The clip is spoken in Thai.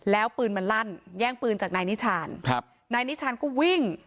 แล้วปืนมันลั่นแย่งปืนจากนายนิชานครับนายนิชานก็วิ่ง